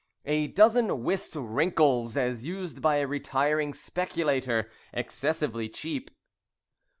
A dozen whist wrinkles, as used by a retiring speculator. Excessively cheap.